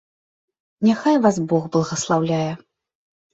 Няхай вас бог благаслаўляе.